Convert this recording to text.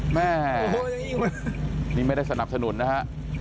แม่นี่ไม่ได้สนับสนุนนะฮะ